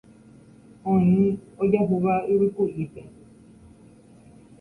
oĩ ojahúva yvyku'ípe